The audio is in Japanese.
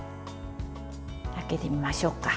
開けてみましょうか。